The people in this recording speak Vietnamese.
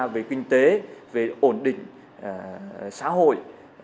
về kinh tế về ổn định xã hội